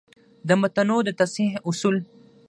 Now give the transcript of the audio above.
د متونو د تصحیح اصول: